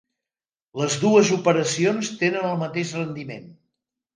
Les dues operacions tenen el mateix rendiment.